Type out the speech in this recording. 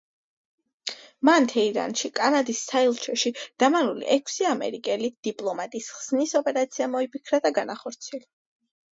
მან თეირანში კანადის საელჩოში დამალული ექვსი ამერიკელი დიპლომატის ხსნის ოპერაცია მოიფიქრა და განახორციელა.